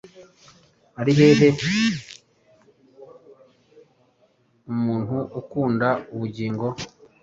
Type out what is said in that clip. ari hehe umuntu ukunda ubugingo